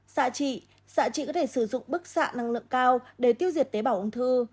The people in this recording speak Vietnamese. xạ trị xạ trị có thể sử dụng bức xạ năng lượng cao để tiêu diệt tế bảo ung thư